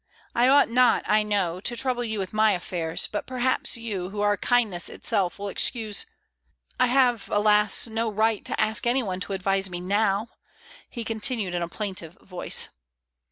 I ought not, I know, to trouble you with my affairs, but perhaps you, who are kindness itself, will excuse. ... I have, alas! no right to ask any one to advise me now^* he continued in a plaintive voice.